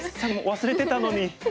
忘れてたのに。